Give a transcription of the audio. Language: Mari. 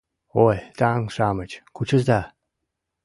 — Ой, таҥ-шамыч, кучыза!